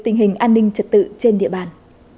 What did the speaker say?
tình hình an ninh trật tự trên địa bàn